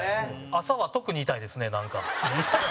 朝は特に痛いですね、なんか。